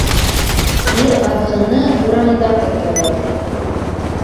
Ир аҙғыны урамда ҡоторор.